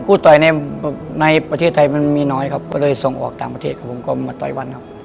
ต่อยในประเทศไทยมันมีน้อยครับก็เลยส่งออกต่างประเทศครับผมก็มาต่อยวันครับ